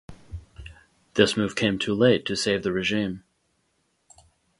This move came too late to save the regime.